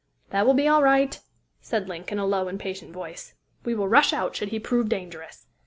"That will be all right," said Link in a low, impatient voice. "We will rush out should he prove dangerous.